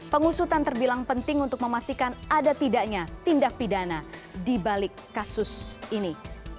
pengusutan terbilang penting untuk memastikan ada tidaknya tindak pidana di balik kasus ini